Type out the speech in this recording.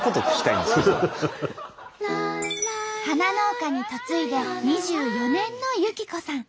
花農家に嫁いで２４年の友紀子さん。